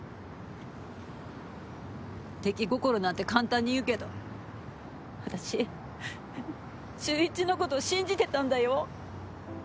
出来心なんて簡単に言うけど私、秀一のこと信じてたんだよ？